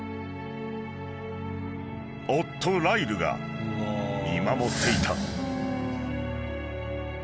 ［夫ライルが見守っていた］